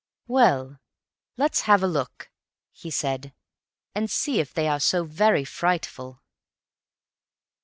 "Well, let's have a look," he said, "and see if they are so very frightful.